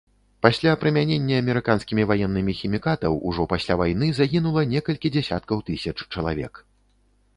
Пасля прымянення амерыканскімі ваеннымі хімікатаў ўжо пасля вайны загінула некалькі дзесяткаў тысяч чалавек.